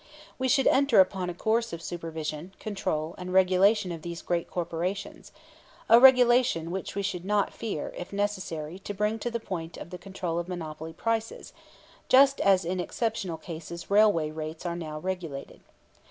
We should enter upon a course of supervision, control, and regulation of these great corporations a regulation which we should not fear, if necessary, to bring to the point of control of monopoly prices, just as in exceptional cases railway rates are now regulated.